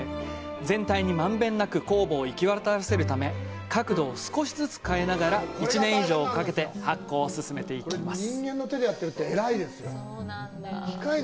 全体に満遍なく酵母を行き渡らせるため角度を少しずつ変えながら一年以上をかけて発酵を進めていきます。